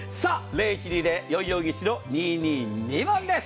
０１２０−４４１−２２２です。